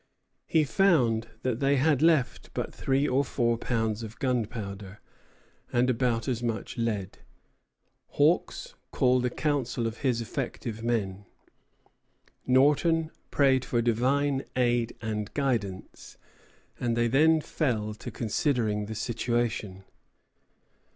He found that they had left but three or four pounds of gunpowder, and about as much lead. Hawks called a council of his effective men. Norton prayed for divine aid and guidance, and then they fell to considering the situation.